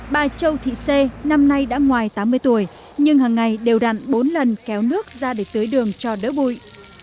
bà châu thị xê năm nay đã ngoài tám mươi tuổi nhưng hàng ngày đều đặn bốn lần kéo nước ra để tưới đường cho đỡ bụi